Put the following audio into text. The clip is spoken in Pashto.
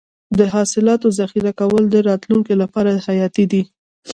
د حاصلاتو ذخیره کول د راتلونکي لپاره حیاتي دي.